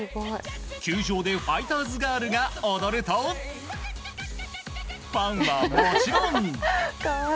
球場でファイターズガールが踊るとファンはもちろん。